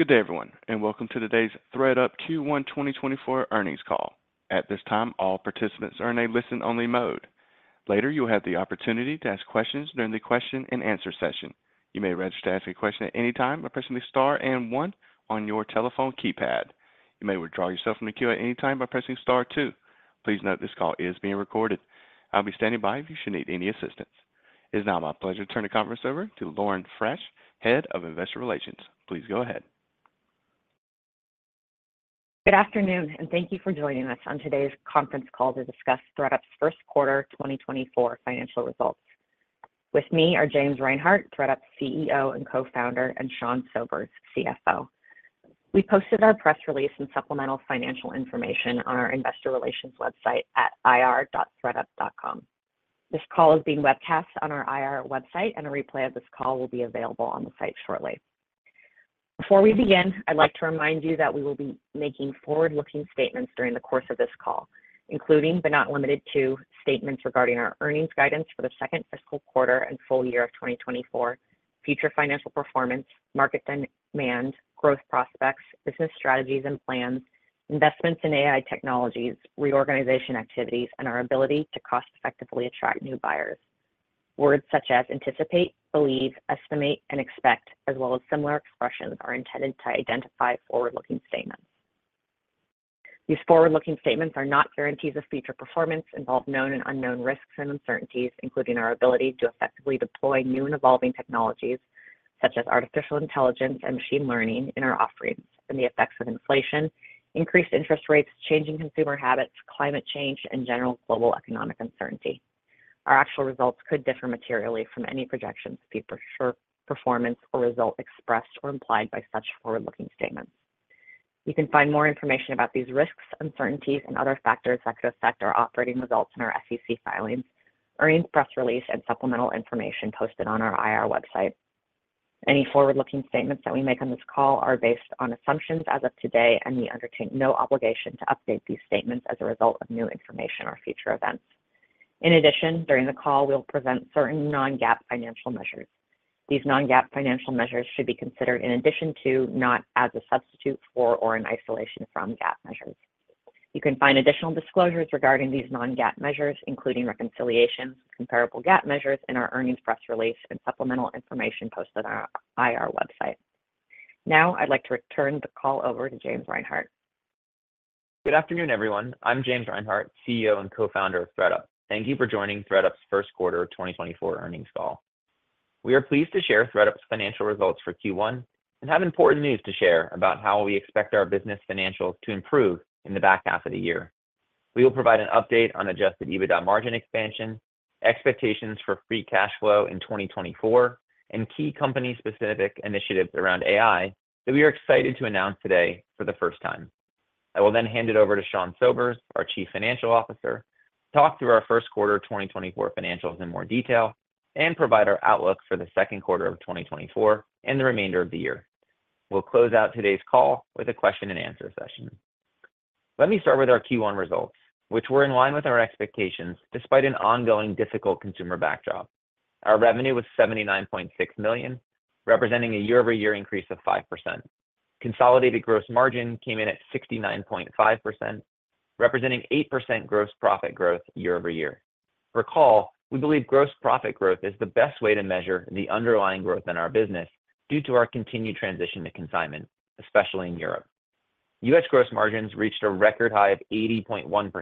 Good day, everyone, and welcome to today's ThredUp Q1 2024 earnings call. At this time, all participants are in a listen-only mode. Later, you will have the opportunity to ask questions during the question and answer session. You may register to ask a question at any time by pressing star and one on your telephone keypad. You may withdraw yourself from the queue at any time by pressing star two. Please note, this call is being recorded. I'll be standing by if you should need any assistance. It's now my pleasure to turn the conference over to Lauren Frasch, Head of Investor Relations. Please go ahead. Good afternoon, and thank you for joining us on today's conference call to discuss ThredUp's first quarter 2024 financial results. With me are James Reinhart, ThredUp's CEO and Co-Founder, and Sean Sobers, CFO. We posted our press release and supplemental financial information on our investor relations website at ir.thredup.com. This call is being webcast on our IR website, and a replay of this call will be available on the site shortly. Before we begin, I'd like to remind you that we will be making forward-looking statements during the course of this call, including, but not limited to, statements regarding our earnings guidance for the second fiscal quarter and full year of 2024, future financial performance, market demand, growth prospects, business strategies and plans, investments in AI technologies, reorganization activities, and our ability to cost effectively attract new buyers. Words such as anticipate, believe, estimate, and expect, as well as similar expressions, are intended to identify forward-looking statements. These forward-looking statements are not guarantees of future performance, involve known and unknown risks and uncertainties, including our ability to effectively deploy new and evolving technologies, such as artificial intelligence and machine learning in our offerings, and the effects of inflation, increased interest rates, changing consumer habits, climate change, and general global economic uncertainty. Our actual results could differ materially from any projections of future performance or result expressed or implied by such forward-looking statements. You can find more information about these risks, uncertainties, and other factors that could affect our operating results in our SEC filings, earnings press release, and supplemental information posted on our IR website. Any forward-looking statements that we make on this call are based on assumptions as of today, and we undertake no obligation to update these statements as a result of new information or future events. In addition, during the call, we'll present certain non-GAAP financial measures. These non-GAAP financial measures should be considered in addition to, not as a substitute for, or in isolation from, GAAP measures. You can find additional disclosures regarding these non-GAAP measures, including reconciliation, comparable GAAP measures in our earnings press release and supplemental information posted on our IR website. Now, I'd like to return the call over to James Reinhart. Good afternoon, everyone. I'm James Reinhart, CEO and Co-Founder of ThredUp. Thank you for joining ThredUp's first quarter of 2024 earnings call. We are pleased to share ThredUp's financial results for Q1 and have important news to share about how we expect our business financials to improve in the back half of the year. We will provide an update on adjusted EBITDA margin expansion, expectations for free cash flow in 2024, and key company-specific initiatives around AI that we are excited to announce today for the first time. I will then hand it over to Sean Sobers, our Chief Financial Officer, to talk through our first quarter 2024 financials in more detail and provide our outlook for the second quarter of 2024 and the remainder of the year. We'll close out today's call with a question and answer session. Let me start with our Q1 results, which were in line with our expectations despite an ongoing difficult consumer backdrop. Our revenue was $79.6 million, representing a year-over-year increase of 5%. Consolidated gross margin came in at 69.5%, representing 8% gross profit growth year-over-year. Recall, we believe gross profit growth is the best way to measure the underlying growth in our business due to our continued transition to consignment, especially in Europe. U.S. gross margins reached a record high of 80.1%.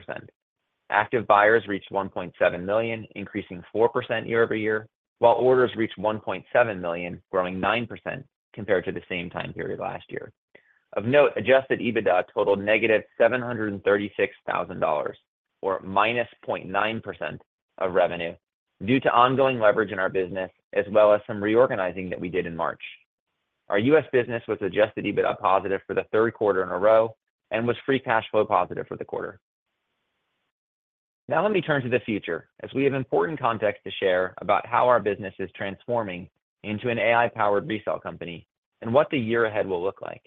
Active buyers reached 1.7 million, increasing 4% year-over-year, while orders reached 1.7 million, growing 9% compared to the same time period last year. Of note, adjusted EBITDA totaled -$736,000, or -0.9% of revenue, due to ongoing leverage in our business, as well as some reorganizing that we did in March. Our U.S. business was adjusted EBITDA positive for the third quarter in a row and was free cash flow positive for the quarter. Now let me turn to the future, as we have important context to share about how our business is transforming into an AI-powered resale company and what the year ahead will look like.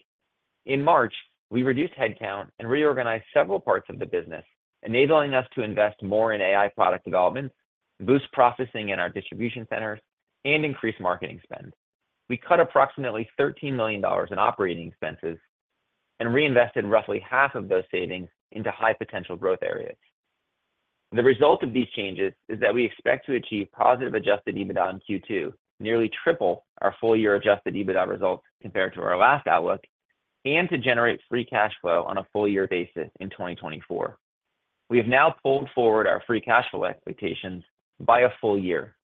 In March, we reduced headcount and reorganized several parts of the business, enabling us to invest more in AI product development, boost processing in our distribution centers, and increase marketing spend. We cut approximately $13 million in operating expenses and reinvested roughly half of those savings into high potential growth areas. The result of these changes is that we expect to achieve positive adjusted EBITDA in Q2, nearly triple our full-year adjusted EBITDA results compared to our last outlook, and to generate free cash flow on a full year basis in 2024. We have now pulled forward our free cash flow expectations by a full year.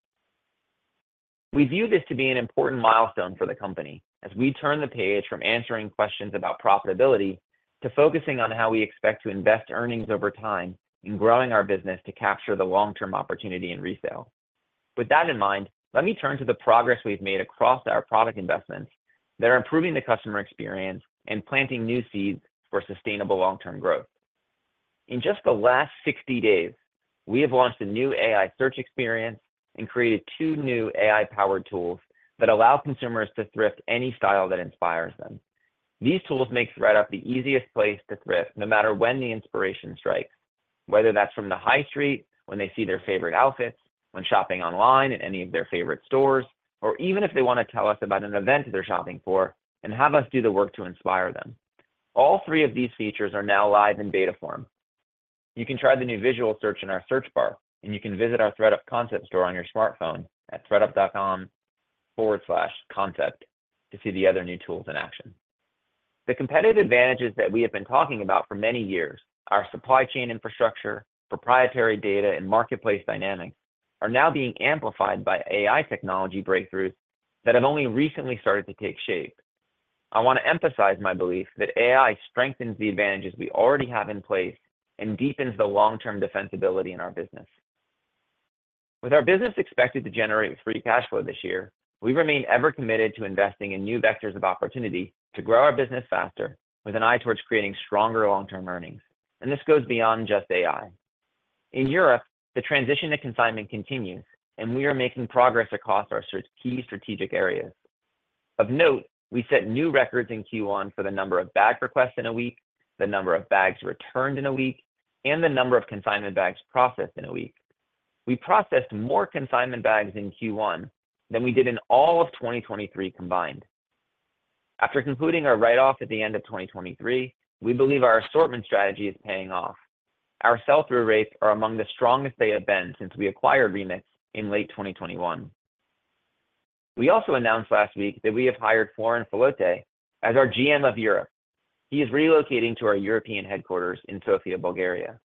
We view this to be an important milestone for the company as we turn the page from answering questions about profitability to focusing on how we expect to invest earnings over time in growing our business to capture the long-term opportunity in resale. With that in mind, let me turn to the progress we've made across our product investments that are improving the customer experience and planting new seeds for sustainable long-term growth. In just the last 60 days, we have launched a new AI search experience and created two new AI-powered tools that allow consumers to thrift any style that inspires them. These tools make ThredUp the easiest place to thrift, no matter when the inspiration strikes. Whether that's from the high street, when they see their favorite outfits, when shopping online at any of their favorite stores, or even if they wanna tell us about an event they're shopping for, and have us do the work to inspire them. All three of these features are now live in beta form. You can try the new visual search in our search bar, and you can visit our ThredUp Concept Store on your smartphone at thredup.com/concept to see the other new tools in action. The competitive advantages that we have been talking about for many years, our supply chain infrastructure, proprietary data, and marketplace dynamics, are now being amplified by AI technology breakthroughs that have only recently started to take shape. I wanna emphasize my belief that AI strengthens the advantages we already have in place and deepens the long-term defensibility in our business. With our business expected to generate free cash flow this year, we remain ever committed to investing in new vectors of opportunity to grow our business faster, with an eye towards creating stronger long-term earnings, and this goes beyond just AI. In Europe, the transition to consignment continues, and we are making progress across our key strategic areas. Of note, we set new records in Q1 for the number of bag requests in a week, the number of bags returned in a week, and the number of consignment bags processed in a week. We processed more consignment bags in Q1 than we did in all of 2023 combined. After concluding our write-off at the end of 2023, we believe our assortment strategy is paying off. Our sell-through rates are among the strongest they have been since we acquired Remix in late 2021. We also announced last week that we have hired Florin Filote as our GM of Europe. He is relocating to our European headquarters in Sofia, Bulgaria.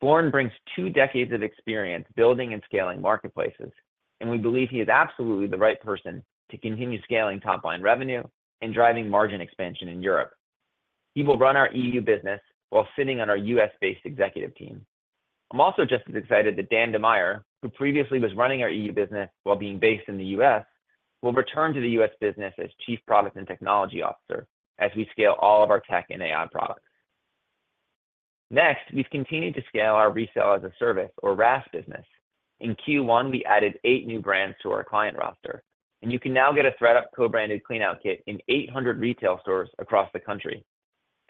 Florin brings two decades of experience building and scaling marketplaces, and we believe he is absolutely the right person to continue scaling top-line revenue and driving margin expansion in Europe. He will run our EU business while sitting on our U.S.-based executive team. I'm also just as excited that Dan DeMeyere, who previously was running our EU business while being based in the U.S., will return to the U.S. business as Chief Product and Technology Officer as we scale all of our tech and A.I. products. Next, we've continued to scale our Resale-as-a-Service, or RaaS, business. In Q1, we added eight new brands to our client roster, and you can now get a ThredUp co-branded Clean Out Kit in 800 retail stores across the country.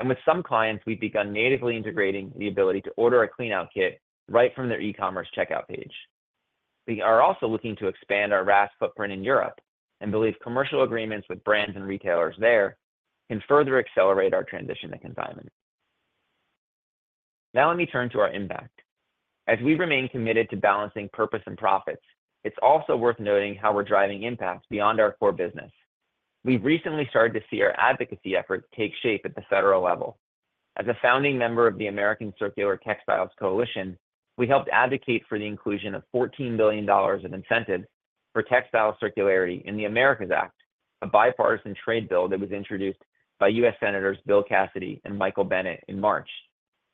With some clients, we've begun natively integrating the ability to order a Clean Out Kit right from their e-commerce checkout page. We are also looking to expand our RaaS footprint in Europe, and believe commercial agreements with brands and retailers there can further accelerate our transition to consignment. Now let me turn to our impact. As we remain committed to balancing purpose and profits, it's also worth noting how we're driving impact beyond our core business. We've recently started to see our advocacy efforts take shape at the federal level. As a founding member of the American Circular Textiles Coalition, we helped advocate for the inclusion of $14 billion in incentives for textile circularity in the Americas Act, a bipartisan trade bill that was introduced by U.S. Senators Bill Cassidy and Michael Bennet in March.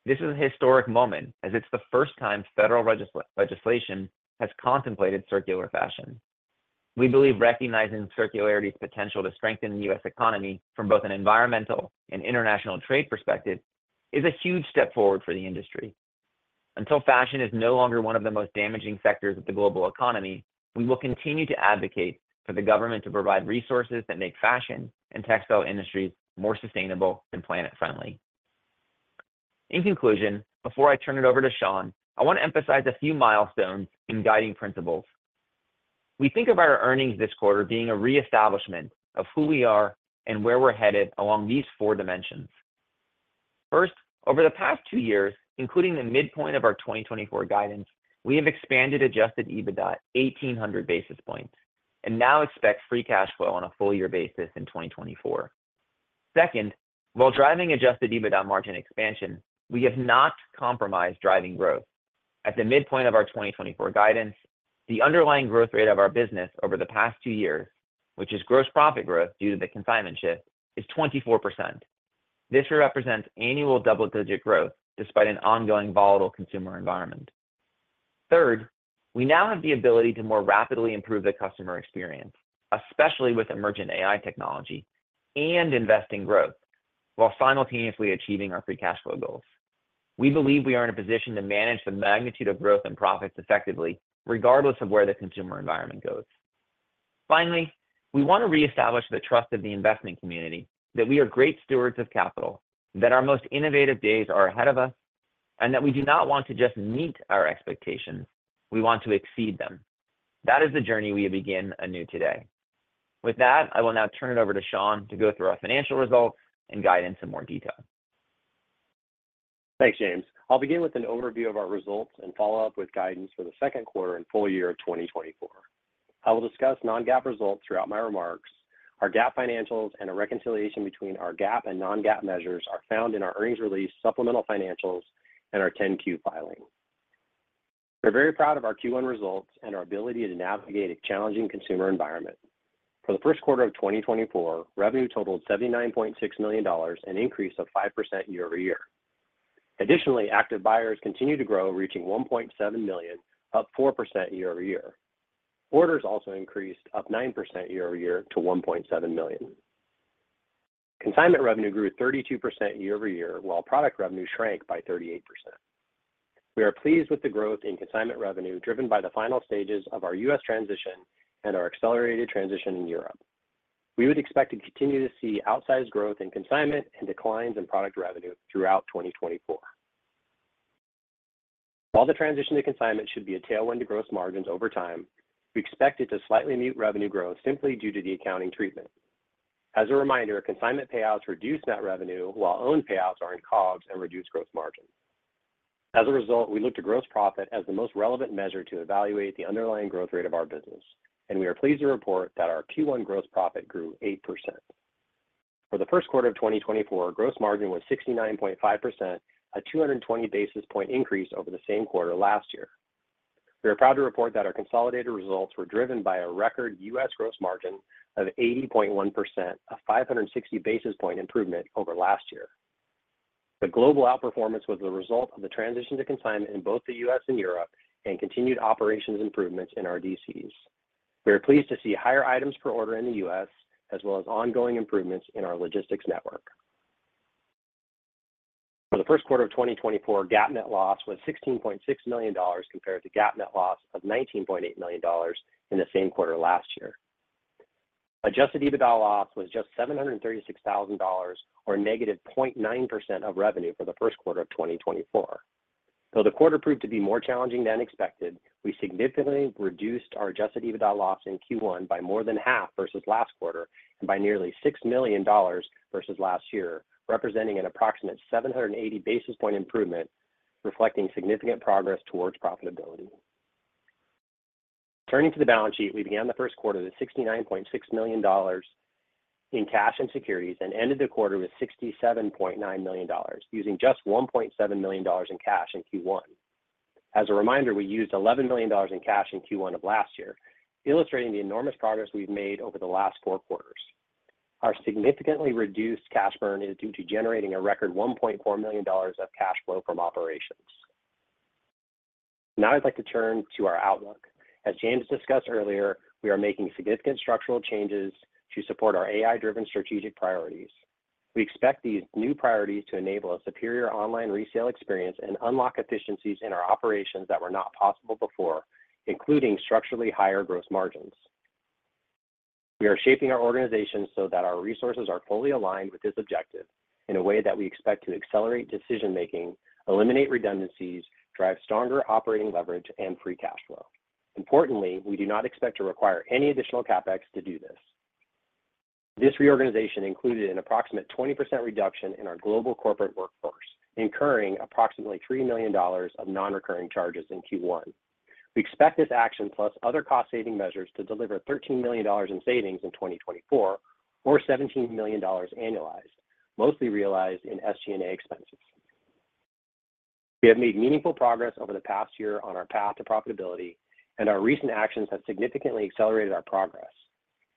This is a historic moment, as it's the first time federal legislation has contemplated circular fashion. We believe recognizing circularity's potential to strengthen the US economy from both an environmental and international trade perspective is a huge step forward for the industry. Until fashion is no longer one of the most damaging sectors of the global economy, we will continue to advocate for the government to provide resources that make fashion and textile industries more sustainable and planet-friendly. In conclusion, before I turn it over to Sean, I wanna emphasize a few milestones and guiding principles. We think of our earnings this quarter being a reestablishment of who we are and where we're headed along these four dimensions. First, over the past two years, including the midpoint of our 2024 guidance, we have expanded adjusted EBITDA 1,800 basis points, and now expect free cash flow on a full year basis in 2024. Second, while driving adjusted EBITDA margin expansion, we have not compromised driving growth. At the midpoint of our 2024 guidance, the underlying growth rate of our business over the past two years, which is gross profit growth due to the consignment shift, is 24%. This represents annual double-digit growth, despite an ongoing volatile consumer environment. Third, we now have the ability to more rapidly improve the customer experience, especially with emergent AI technology and investing growth, while simultaneously achieving our free cash flow goals. We believe we are in a position to manage the magnitude of growth and profits effectively, regardless of where the consumer environment goes. Finally, we wanna reestablish the trust of the investment community that we are great stewards of capital, that our most innovative days are ahead of us, and that we do not want to just meet our expectations, we want to exceed them. That is the journey we begin anew today. With that, I will now turn it over to Sean to go through our financial results and guide in some more detail. Thanks, James. I'll begin with an overview of our results and follow-up with guidance for the second quarter and full year of 2024. I will discuss non-GAAP results throughout my remarks. Our GAAP financials and a reconciliation between our GAAP and non-GAAP measures are found in our earnings release, supplemental financials, and our 10-Q filing. We're very proud of our Q1 results and our ability to navigate a challenging consumer environment. For the first quarter of 2024, revenue totaled $79.6 million, an increase of 5% year-over-year. Additionally, active buyers continued to grow, reaching 1.7 million, up 4% year-over-year. Orders also increased, up 9% year-over-year to 1.7 million. Consignment revenue grew 32% year-over-year, while product revenue shrank by 38%. We are pleased with the growth in consignment revenue, driven by the final stages of our U.S. transition and our accelerated transition in Europe. We would expect to continue to see outsized growth in consignment and declines in product revenue throughout 2024. While the transition to consignment should be a tailwind to gross margins over time, we expect it to slightly mute revenue growth simply due to the accounting treatment. As a reminder, consignment payouts reduce net revenue, while own payouts are in COGS and reduce gross margin. As a result, we look to gross profit as the most relevant measure to evaluate the underlying growth rate of our business, and we are pleased to report that our Q1 gross profit grew 8%. For the first quarter of 2024, gross margin was 69.5%, a 220 basis point increase over the same quarter last year. We are proud to report that our consolidated results were driven by a record U.S. gross margin of 80.1%, a 560 basis point improvement over last year. The global outperformance was the result of the transition to consignment in both the U.S. and Europe, and continued operations improvements in our DCs. We are pleased to see higher items per order in the U.S., as well as ongoing improvements in our logistics network. For the first quarter of 2024, GAAP net loss was $16.6 million, compared to GAAP net loss of $19.8 million in the same quarter last year. Adjusted EBITDA loss was just $736,000 or -0.9% of revenue for the first quarter of 2024. Though the quarter proved to be more challenging than expected, we significantly reduced our adjusted EBITDA loss in Q1 by more than half versus last quarter and by nearly $6 million versus last year, representing an approximate 780 basis point improvement, reflecting significant progress towards profitability. Turning to the balance sheet, we began the first quarter with $69.6 million in cash and securities, and ended the quarter with $67.9 million, using just $1.7 million in cash in Q1. As a reminder, we used $11 million in cash in Q1 of last year, illustrating the enormous progress we've made over the last four quarters. Our significantly reduced cash burn is due to generating a record $1.4 million of cash flow from operations. Now I'd like to turn to our outlook. As James discussed earlier, we are making significant structural changes to support our AI-driven strategic priorities. We expect these new priorities to enable a superior online resale experience and unlock efficiencies in our operations that were not possible before, including structurally higher gross margins. We are shaping our organization so that our resources are fully aligned with this objective in a way that we expect to accelerate decision-making, eliminate redundancies, drive stronger operating leverage, and free cash flow. Importantly, we do not expect to require any additional CapEx to do this. This reorganization included an approximate 20% reduction in our global corporate workforce, incurring approximately $3 million of non-recurring charges in Q1. We expect this action, plus other cost-saving measures, to deliver $13 million in savings in 2024, or $17 million annualized, mostly realized in SG&A expenses. We have made meaningful progress over the past year on our path to profitability, and our recent actions have significantly accelerated our progress.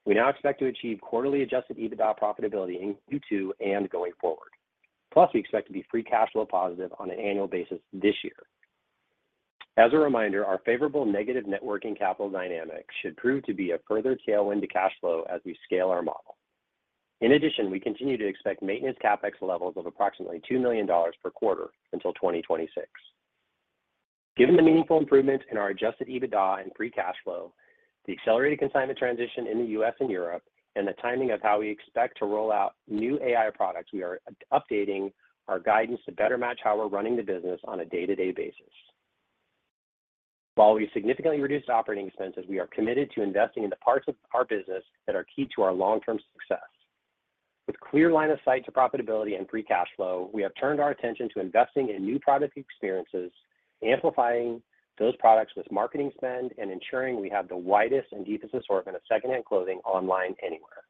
We now expect to achieve quarterly adjusted EBITDA profitability in Q2 and going forward. Plus, we expect to be free cash flow positive on an annual basis this year. As a reminder, our favorable negative net working capital dynamic should prove to be a further tailwind to cash flow as we scale our model. In addition, we continue to expect maintenance CapEx levels of approximately $2 million per quarter until 2026. Given the meaningful improvements in our adjusted EBITDA and free cash flow, the accelerated consignment transition in the U.S. and Europe, and the timing of how we expect to roll out new AI products, we are updating our guidance to better match how we're running the business on a day-to-day basis. While we significantly reduced operating expenses, we are committed to investing in the parts of our business that are key to our long-term success. With clear line of sight to profitability and free cash flow, we have turned our attention to investing in new product experiences, amplifying those products with marketing spend, and ensuring we have the widest and deepest assortment of secondhand clothing online anywhere.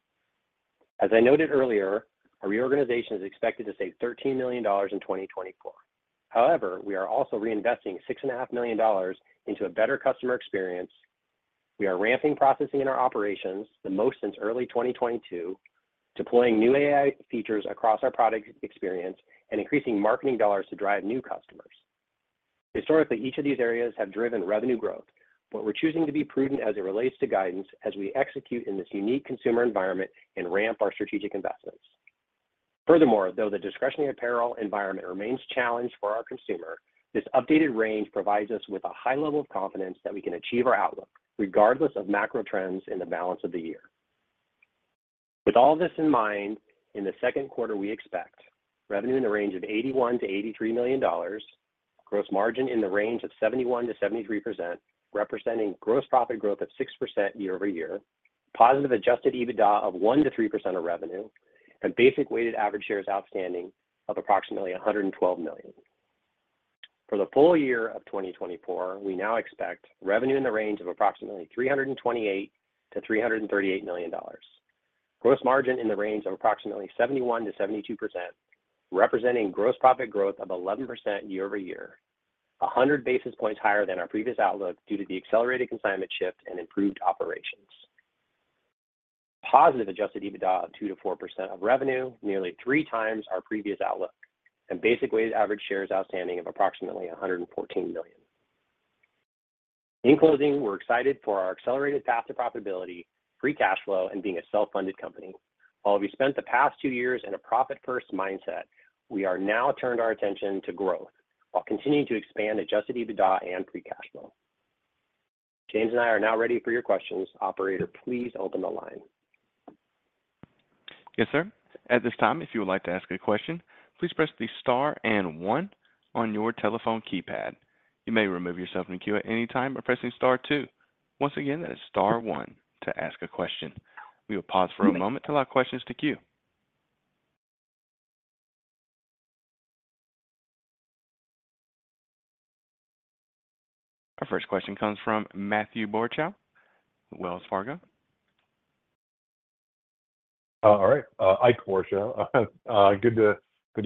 As I noted earlier, our reorganization is expected to save $13 million in 2024. However, we are also reinvesting $6.5 million into a better customer experience. We are ramping processing in our operations, the most since early 2022, deploying new AI features across our product experience, and increasing marketing dollars to drive new customers. Historically, each of these areas have driven revenue growth, but we're choosing to be prudent as it relates to guidance as we execute in this unique consumer environment and ramp our strategic investments. Furthermore, though the discretionary apparel environment remains challenged for our consumer, this updated range provides us with a high level of confidence that we can achieve our outlook, regardless of macro trends in the balance of the year. With all this in mind, in the second quarter, we expect revenue in the range of $81 million-$83 million, gross margin in the range of 71%-73%, representing gross profit growth of 6% year-over-year, positive adjusted EBITDA of 1%-3% of revenue, and basic weighted average shares outstanding of approximately 112 million. For the full year of 2024, we now expect revenue in the range of approximately $328 million-$338 million. Gross margin in the range of approximately 71%-72%, representing gross profit growth of 11% year-over-year, 100 basis points higher than our previous outlook due to the accelerated consignment shift and improved operations. Positive adjusted EBITDA of 2%-4% of revenue, nearly 3x our previous outlook, and basic weighted average shares outstanding of approximately 114 million. In closing, we're excited for our accelerated path to profitability, free cash flow, and being a self-funded company. While we spent the past two years in a profit-first mindset, we are now turned our attention to growth while continuing to expand adjusted EBITDA and free cash flow.... James and I are now ready for your questions. Operator, please open the line. Yes, sir. At this time, if you would like to ask a question, please press the star and one on your telephone keypad. You may remove yourself from the queue at any time by pressing star two. Once again, that is star one to ask a question. We will pause for a moment to allow questions to queue. Our first question comes from Ike Boruchow, Wells Fargo. All right, Ike Boruchow. Good to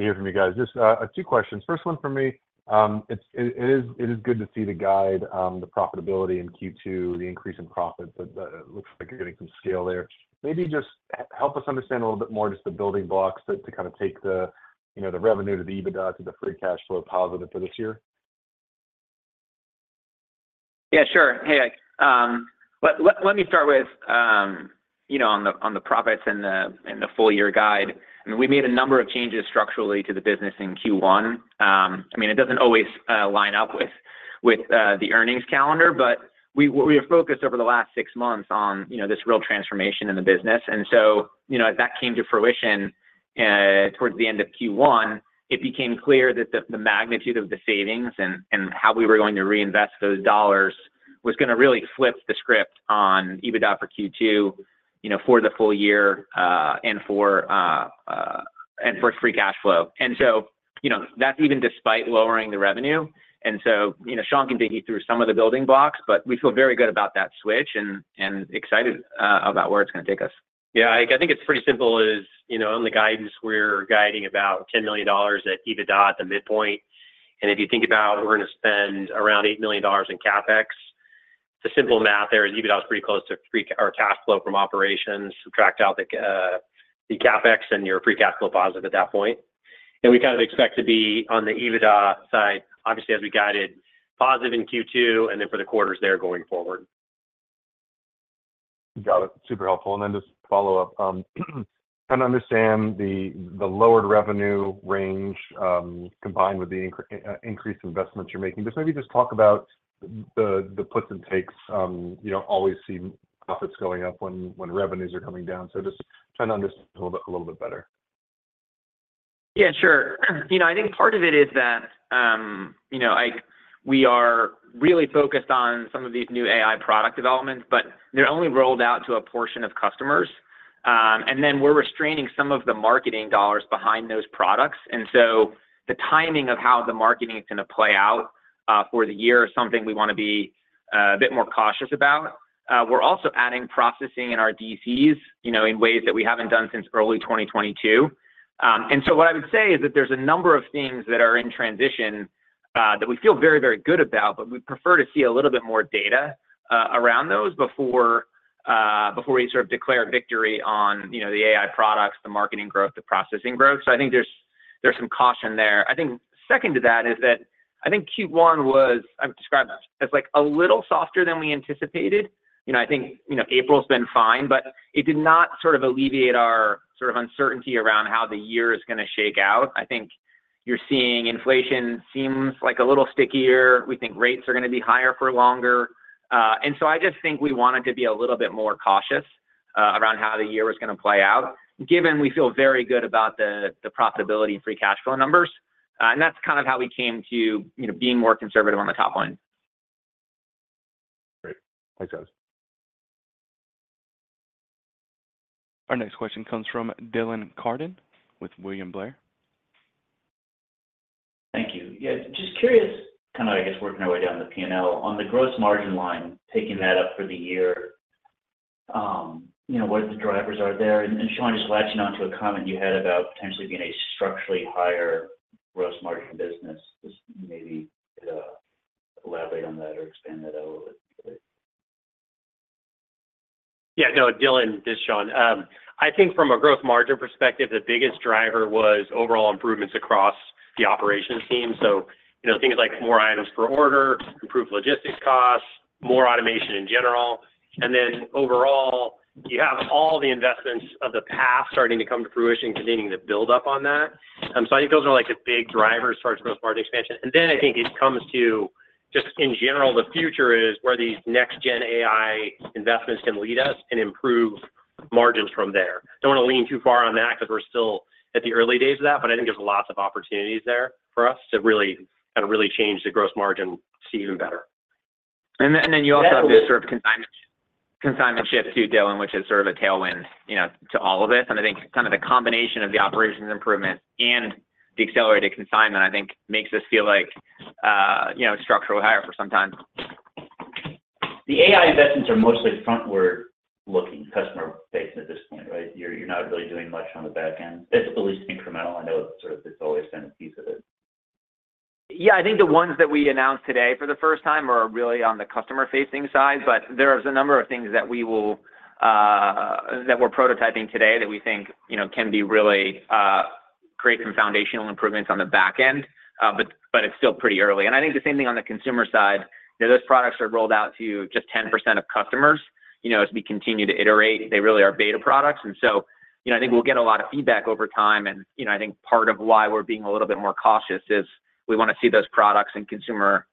hear from you guys. Just two questions. First one for me, it's good to see the guide, the profitability in Q2, the increase in profits. It looks like you're getting some scale there. Maybe just help us understand a little bit more just the building blocks to kind of take the, you know, the revenue to the EBITDA to the free cash flow positive for this year. Yeah, sure. Hey, Ike. Let me start with, you know, on the profits and the full year guide, and we made a number of changes structurally to the business in Q1. I mean, it doesn't always line up with the earnings calendar, but we have focused over the last six months on, you know, this real transformation in the business. And so, you know, as that came to fruition towards the end of Q1, it became clear that the magnitude of the savings and how we were going to reinvest those dollars was gonna really flip the script on EBITDA for Q2, you know, for the full year, and for free cash flow. And so, you know, that's even despite lowering the revenue. And so, you know, Sean can take you through some of the building blocks, but we feel very good about that switch and excited about where it's gonna take us. Yeah, Ike, I think it's pretty simple is, you know, in the guidance, we're guiding about $10 million at EBITDA at the midpoint. And if you think about we're gonna spend around $8 million in CapEx, the simple math there is EBITDA is pretty close to free... or cash flow from operations. Subtract out the CapEx, and you're free cash flow positive at that point. And we kind of expect to be on the EBITDA side, obviously, as we guided positive in Q2 and then for the quarters there going forward. Got it. Super helpful. Then just follow-up, trying to understand the lowered revenue range, combined with the increased investments you're making. Just maybe talk about the puts and takes. You don't always see profits going up when revenues are coming down, so just trying to understand a little bit better. Yeah, sure. You know, I think part of it is that, you know, Ike, we are really focused on some of these new AI product developments, but they're only rolled out to a portion of customers. And then we're restraining some of the marketing dollars behind those products, and so the timing of how the marketing is gonna play out, for the year is something we wanna be, a bit more cautious about. We're also adding processing in our DCs, you know, in ways that we haven't done since early 2022. And so what I would say is that there's a number of things that are in transition, that we feel very, very good about, but we'd prefer to see a little bit more data, around those before, before we sort of declare victory on, you know, the AI products, the marketing growth, the processing growth. So I think there's, there's some caution there. I think second to that is that I think Q1 was, I would describe it as, like, a little softer than we anticipated. You know, I think, you know, April's been fine, but it did not sort of alleviate our sort of uncertainty around how the year is gonna shake out. I think you're seeing, inflation seems like a little stickier. We think rates are gonna be higher for longer. And so I just think we wanted to be a little bit more cautious around how the year was gonna play out, given we feel very good about the profitability and free cash flow numbers. And that's kind of how we came to, you know, being more conservative on the top line. Great. Thanks, guys. Our next question comes from Dylan Carden with William Blair. Thank you. Yeah, just curious, kind of, I guess, working our way down the P&L. On the gross margin line, taking that up for the year, you know, what the drivers are there, and Sean, just latching on to a comment you had about potentially being a structurally higher gross margin business. Just maybe, elaborate on that or expand that out a little bit. Yeah, no, Dylan, this is Sean. I think from a gross margin perspective, the biggest driver was overall improvements across the operations team. So, you know, things like more items per order, improved logistics costs, more automation in general, and then overall, you have all the investments of the past starting to come to fruition, continuing to build up on that. So I think those are, like, the big drivers as far as gross margin expansion. And then I think it comes to just in general, the future is where these next gen AI investments can lead us and improve margins from there. Don't wanna lean too far on that because we're still at the early days of that, but I think there's lots of opportunities there for us to really, kind of really change the gross margin to even better. And then you also have this sort of consignment shift too, Dylan, which is sort of a tailwind, you know, to all of this. And I think kind of the combination of the operations improvement and the accelerated consignment, I think makes us feel like, you know, structurally higher for some time. The AI investments are mostly frontward-looking, customer-facing at this point, right? You're not really doing much on the back end. It's at least incremental. I know it's sort of, it's always been a piece of it. Yeah, I think the ones that we announced today for the first time are really on the customer-facing side, but there's a number of things that we're prototyping today that we think, you know, can be really create some foundational improvements on the back end. But it's still pretty early. And I think the same thing on the consumer side, you know, those products are rolled out to just 10% of customers. You know, as we continue to iterate, they really are beta products. And so, you know, I think we'll get a lot of feedback over time. And, you know, I think part of why we're being a little bit more cautious is we wanna see those products and consumer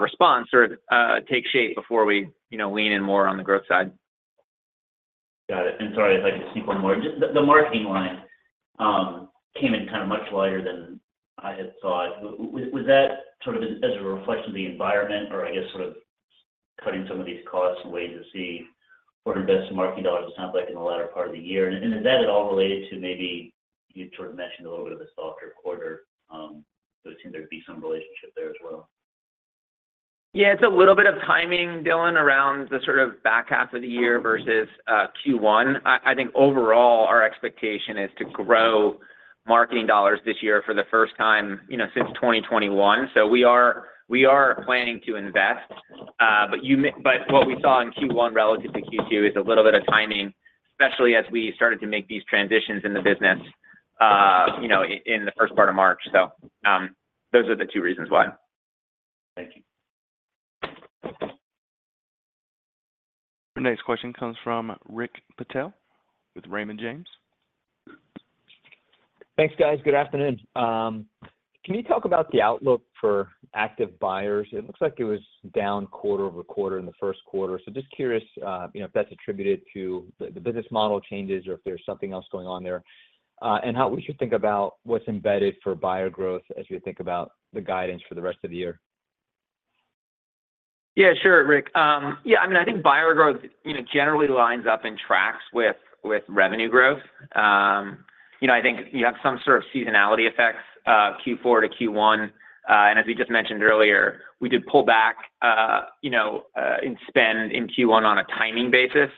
response sort of take shape before we, you know, lean in more on the growth side. Got it. Sorry, if I could just sneak one more. Just the marketing line came in kind of much lighter than I had thought. Was that sort of as a reflection of the environment or, I guess, sort of cutting some of these costs and waiting to see where to invest the marketing dollars, it sounds like, in the latter part of the year? And is that at all related to maybe you sort of mentioned a little bit of a softer quarter, so it seemed there'd be some relationship there as well? Yeah, it's a little bit of timing, Dylan, around the sort of back half of the year versus Q1. I think overall, our expectation is to grow marketing dollars this year for the first time, you know, since 2021. So we are planning to invest, but what we saw in Q1 relative to Q2 is a little bit of timing, especially as we started to make these transitions in the business, you know, in the first part of March. So those are the two reasons why. Thank you. Our next question comes from Rick Patel with Raymond James. Thanks, guys. Good afternoon. Can you talk about the outlook for active buyers? It looks like it was down quarter-over-quarter in the first quarter. So just curious, you know, if that's attributed to the business model changes, or if there's something else going on there. And how we should think about what's embedded for buyer growth as we think about the guidance for the rest of the year. Yeah, sure, Rick. Yeah, I mean, I think buyer growth, you know, generally lines up and tracks with revenue growth. You know, I think you have some sort of seasonality effects, Q4 to Q1. And as we just mentioned earlier, we did pull back, you know, in spend in Q1 on a timing basis.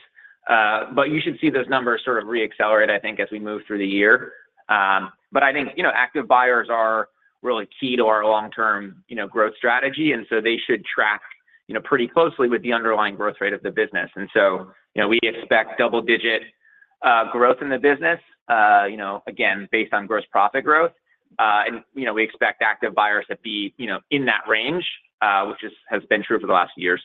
But you should see those numbers sort of re-accelerate, I think, as we move through the year. But I think, you know, active buyers are really key to our long-term, you know, growth strategy, and so they should track, you know, pretty closely with the underlying growth rate of the business. And so, you know, we expect double-digit growth in the business, you know, again, based on gross profit growth. You know, we expect active buyers to be, you know, in that range, which has been true for the last years.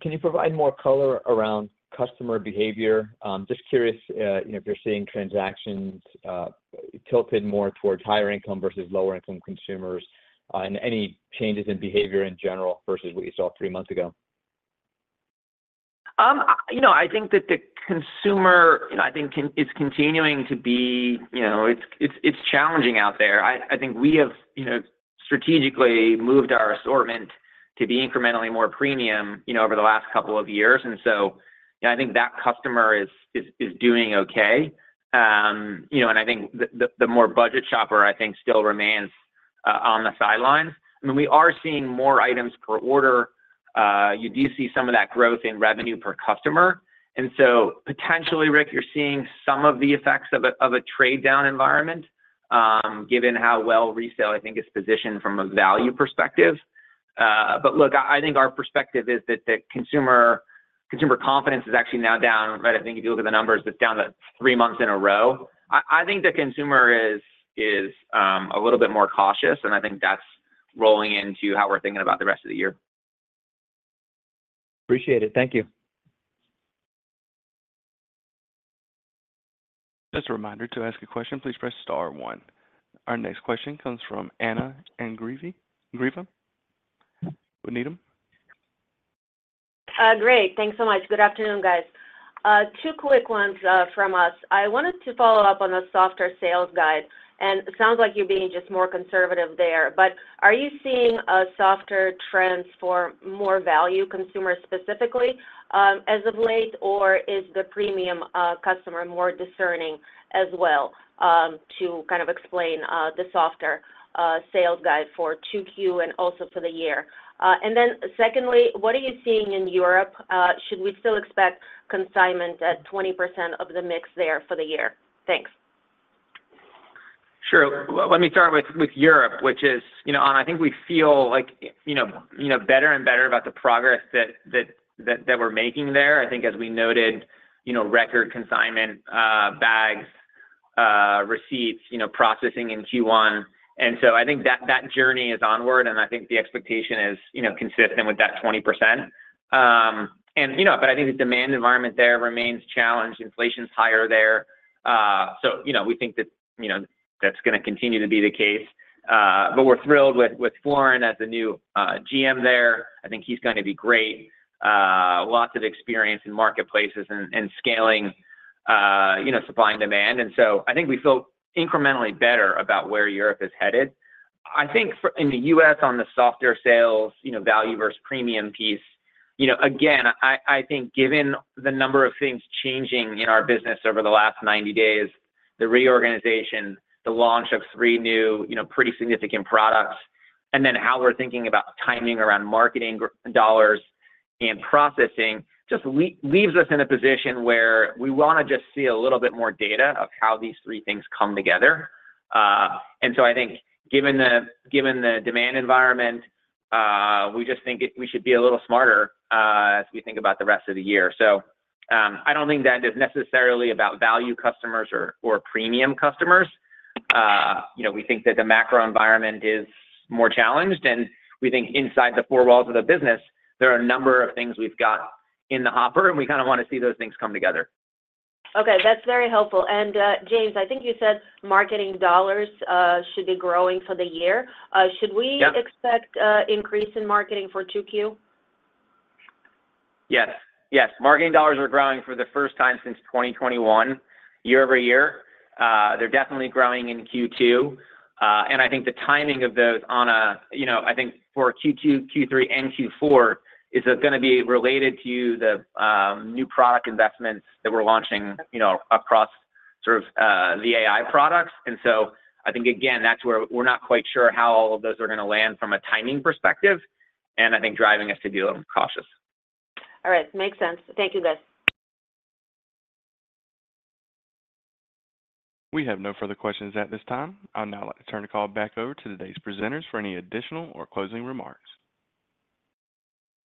Can you provide more color around customer behavior? Just curious, you know, if you're seeing transactions tilted more towards higher income versus lower income consumers, and any changes in behavior in general versus what you saw three months ago. You know, I think that the consumer is continuing to be... You know, it's challenging out there. I think we have, you know, strategically moved our assortment to be incrementally more premium, you know, over the last couple of years. And so, you know, I think that customer is doing okay. You know, and I think the more budget shopper, I think, still remains on the sidelines. I mean, we are seeing more items per order. You do see some of that growth in revenue per customer. And so potentially, Rick, you're seeing some of the effects of a trade-down environment, given how well resale, I think, is positioned from a value perspective. But look, I think our perspective is that the consumer confidence is actually now down, right? I think if you look at the numbers, it's down to three months in a row. I think the consumer is a little bit more cautious, and I think that's rolling into how we're thinking about the rest of the year. Appreciate it. Thank you. Just a reminder, to ask a question, please press star one. Our next question comes from Anna Andreeva, Andreeva with Needham. Great. Thanks so much. Good afternoon, guys. Two quick ones from us. I wanted to follow-up on the softer sales guide, and it sounds like you're being just more conservative there. But are you seeing softer trends for more value consumers specifically as of late? Or is the premium customer more discerning as well to kind of explain the softer sales guide for 2Q and also for the year? And then secondly, what are you seeing in Europe? Should we still expect consignment at 20% of the mix there for the year? Thanks. Sure. Let me start with Europe, which is, you know, Anna, I think we feel like, you know, better and better about the progress that we're making there. I think, as we noted, you know, record consignment bags receipts, you know, processing in Q1. And so I think that journey is onward, and I think the expectation is, you know, consistent with that 20%. And, you know, but I think the demand environment there remains challenged. Inflation's higher there. So, you know, we think that, you know, that's gonna continue to be the case. But we're thrilled with Florin as the new GM there. I think he's gonna be great. Lots of experience in marketplaces and scaling, you know, supply and demand. I think we feel incrementally better about where Europe is headed. I think for in the U.S., on the softer sales, you know, value versus premium piece, you know, again, I think given the number of things changing in our business over the last 90 days, the reorganization, the launch of three new, you know, pretty significant products, and then how we're thinking about timing around marketing gross dollars and processing, just leaves us in a position where we wanna just see a little bit more data of how these three things come together. And so I think given the demand environment, we just think we should be a little smarter as we think about the rest of the year. So, I don't think that is necessarily about value customers or premium customers. You know, we think that the macro environment is more challenged, and we think inside the four walls of the business, there are a number of things we've got in the hopper, and we kinda wanna see those things come together. Okay, that's very helpful. And, James, I think you said marketing dollars should be growing for the year. Yep. Should we expect increase in marketing for 2Q? Yes, yes. Marketing dollars are growing for the first time since 2021, year-over-year. They're definitely growing in Q2. And I think the timing of those... You know, I think for Q2, Q3, and Q4, is that gonna be related to the new product investments that we're launching, you know, across sort of the AI products. And so I think, again, that's where we're not quite sure how all of those are gonna land from a timing perspective, and I think driving us to be a little cautious. All right, makes sense. Thank you, guys. We have no further questions at this time. I'd now like to turn the call back over to today's presenters for any additional or closing remarks.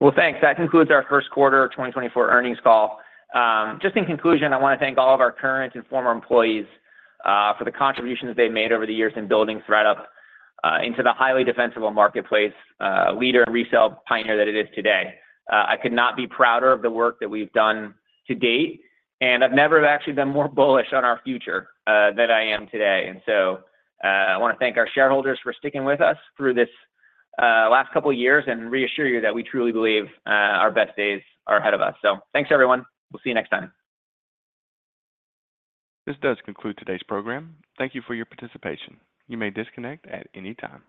Well, thanks. That concludes our first quarter of 2024 earnings call. Just in conclusion, I wanna thank all of our current and former employees, for the contributions they've made over the years in building ThredUp, into the highly defensible marketplace, leader and resale pioneer that it is today. I could not be prouder of the work that we've done to date, and I've never actually been more bullish on our future, than I am today. And so, I wanna thank our shareholders for sticking with us through this, last couple of years and reassure you that we truly believe, our best days are ahead of us. So thanks, everyone. We'll see you next time. This does conclude today's program. Thank you for your participation. You may disconnect at any time.